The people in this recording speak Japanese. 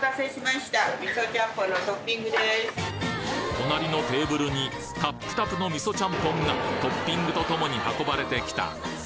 ・隣のテーブルにタップタプのみそチャンポンがトッピングとともに運ばれてきた